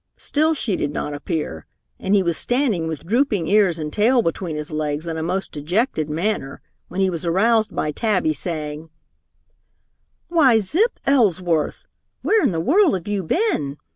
Still she did not appear, and he was standing with drooping ears and tail between his legs in a most dejected manner when he was aroused by Tabby saying, "Why, Zip Elsworth! Where in the world have you been?